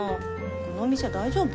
このお店大丈夫？